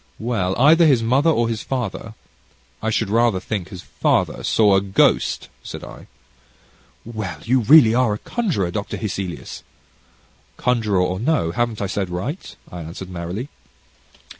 "Well, either his mother or his father I should rather think his father, saw a ghost," said I. "Well, you really are a conjurer, Dr. Hesselius." "Conjurer or no, haven't I said right?" I answered merrily.